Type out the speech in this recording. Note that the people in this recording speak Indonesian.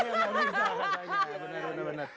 benar benar benar